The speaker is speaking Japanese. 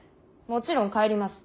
もちろん帰ります。